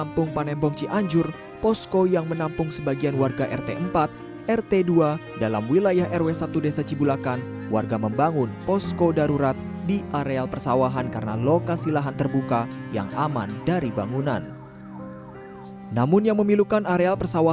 pengungsi justru semakin tersiksa